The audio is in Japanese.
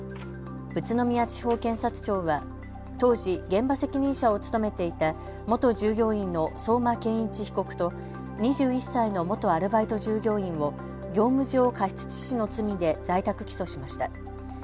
宇都宮地方検察庁は当時、現場責任者を務めていた元従業員の相馬健一被告と２１歳の元アルバイト従業員を業務上過失致死の罪で在宅起訴しました。